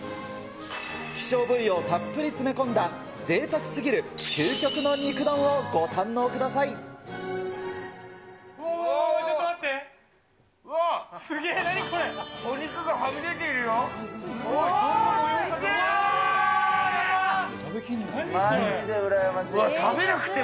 希少部位をたっぷり詰め込んだぜいたくすぎる究極の肉丼をご堪能ちょっと待って。